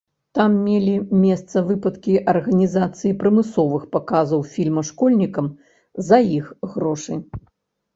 Там мелі месца выпадкі арганізацыі прымусовых паказаў фільма школьнікам за іх грошы.